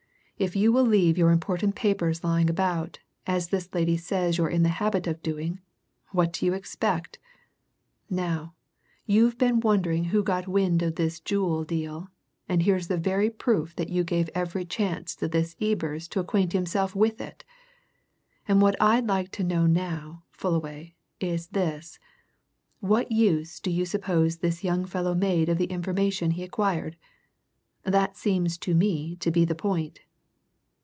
"If you will leave your important papers lying about, as this lady says you're in the habit of doing, what do you expect? Now, you've been wondering who got wind of this jewel deal, and here's the very proof that you gave every chance to this Ebers to acquaint himself with it! And what I'd like to know now, Fullaway, is this what use do you suppose this young fellow made of the information he acquired? That seems to me to be the point."